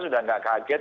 sudah nggak kaget